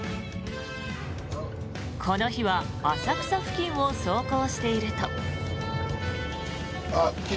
この日は浅草付近を走行していると。